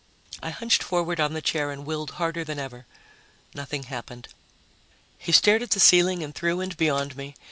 I hunched forward on the chair and willed harder than ever. Nothing happened. He stared at the ceiling and through and beyond me.